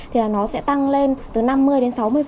thì là nó sẽ tăng lên từ năm mươi đến sáu mươi